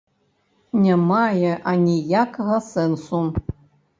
Не мае аніякага сэнсу!